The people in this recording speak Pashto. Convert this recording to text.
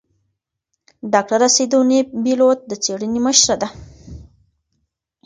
ډاکتره سیدوني بېلوت د څېړنې مشره ده.